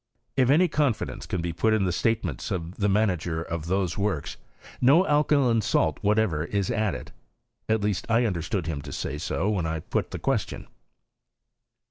If any confidence can be put in the state ments of the manager of those works, no alkaline salt whatever is added ; at least, I understood hitn to say 90 when I put the question.